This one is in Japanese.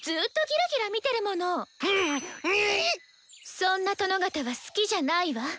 そんな殿方は好きじゃないわ。